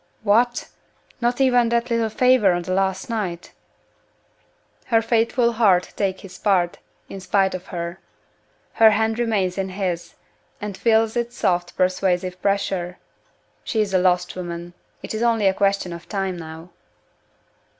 "What! not even that little favor on the last night?" Her faithful heart takes his part, in spite of her. Her hand remains in his, and feels its soft persuasive pressure. She is a lost woman. It is only a question of time now!